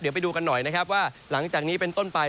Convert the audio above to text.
เดี๋ยวไปดูกันหน่อยนะครับว่าหลังจากนี้เป็นต้นไป